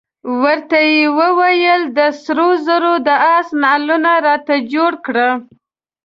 ورته یې وویل د سرو زرو د آس نعلونه راته جوړ کړه.